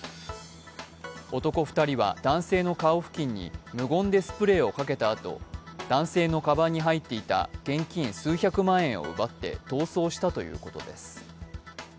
男２人は、男性の顔付近に無言でスプレーをかけたあと、男性のかばんに入っていた現金数百万円を奪って逃走したということです。